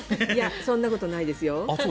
そんなことないですよ。